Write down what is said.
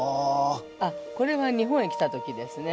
あっこれは日本へ来た時ですね。